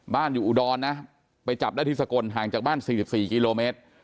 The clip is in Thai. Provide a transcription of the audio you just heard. อยู่อุดรนะไปจับได้ที่สกลห่างจากบ้าน๔๔กิโลเมตร